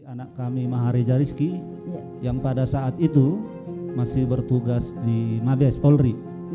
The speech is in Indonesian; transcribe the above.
anak kami mahari jariski yang pada saat itu masih bertugas di mabes polri